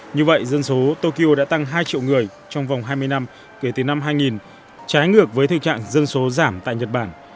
như vậy dân số tokyo đã tăng hai triệu người trong vòng hai mươi năm kể từ năm hai nghìn trái ngược với thực trạng dân số giảm tại nhật bản